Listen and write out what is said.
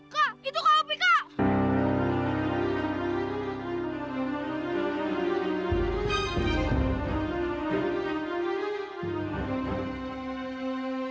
kak itu kak opi kak